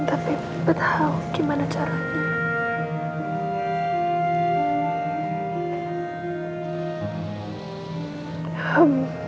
tapi betapa gimana caranya